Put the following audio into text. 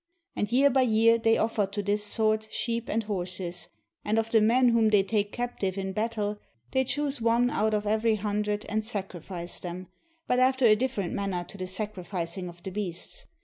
And year by year they offer to this sword sheep and horses ; and of the men whom they take cap tive in battle they choose one out of every hundred and sacrifice them, but after a different manner to the sacri ficing of the beasts.